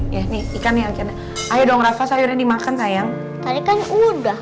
ya nih ikan yang akhirnya ayo dong rafa sayurnya dimakan sayang tadi kan udah